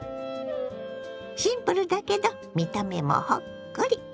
シンプルだけど見た目もほっこり。